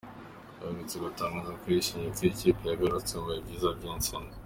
Aherutse gutangaza ko yishimiye ko iyi kipe yagarutse mu bihe byiza by’intsinzi.